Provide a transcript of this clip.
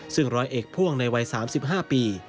ซึ่งร้อยเอกพ่วงในวัย๓๕ปี